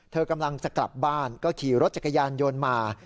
เธอกำลังจะกลับบ้านก็ขี่รถจักรยานยนต์มา